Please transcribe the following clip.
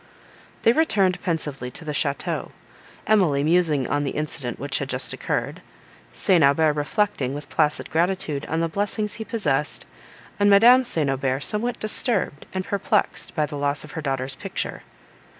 They returned pensively to the château, Emily musing on the incident which had just occurred; St. Aubert reflecting, with placid gratitude, on the blessings he possessed; and Madame St. Aubert somewhat disturbed, and perplexed, by the loss of her daughter's picture.